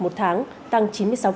một tháng tăng chín mươi sáu